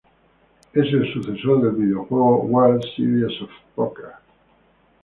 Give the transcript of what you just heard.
Es el sucesor del videojuego "World Series of Poker".